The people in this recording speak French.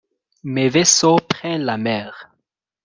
Mes vaisseaux prennent la mer.